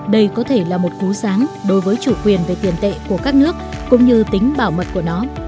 đây có thể là một cú sáng đối với chủ quyền về tiền tệ của các nước cũng như tính bảo mật của nó